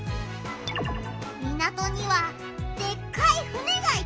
港にはでっかい船がいたな！